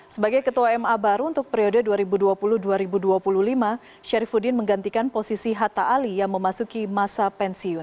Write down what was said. sebagai ketua ma baru untuk periode dua ribu dua puluh dua ribu dua puluh lima syarifudin menggantikan posisi hatta ali yang memasuki masa pensiun